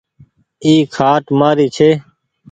اي کآٽ مآري ڇي۔